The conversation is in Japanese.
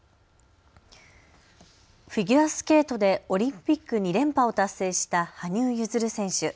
フィギュアスケートでオリンピック２連覇を達成した羽生結弦選手。